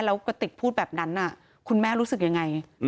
แล้วกระติกพูดแบบนั้นคุณแม่รู้สึกยังไง